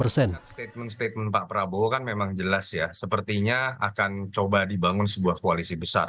statement statement pak prabowo kan memang jelas ya sepertinya akan coba dibangun sebuah koalisi besar